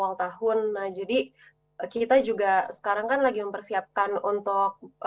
nah jadi kita juga sekarang kan lagi mempersiapkan untuk